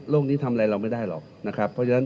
โรคนี้ทำไรเราไม่ได้หรอก